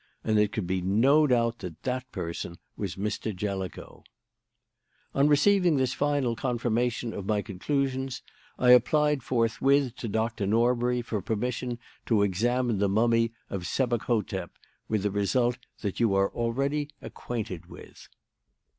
And there could be no doubt that that person was Mr. Jellicoe. "On receiving this final confirmation of my conclusions, I applied forthwith to Doctor Norbury for permission to examine the mummy of Sebek hotep, with the result that you are already acquainted with."